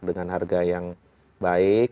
dengan harga yang baik